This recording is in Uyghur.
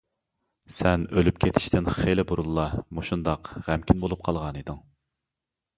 سەن ئۆلۈپ كېتىشتىن خېلى بۇرۇنلا مۇشۇنداق غەمكىن بولۇپ قالغانىدىڭ.